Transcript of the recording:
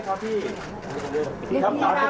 ขอบคุณพี่ด้วยนะครับ